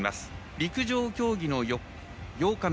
陸上競技の８日目。